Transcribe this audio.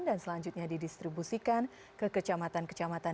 dan selanjutnya didistribusikan ke kecamatan kecamatan